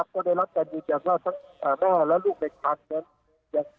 ก็ได้รับการดูจากแม่และลูกเด็กทาง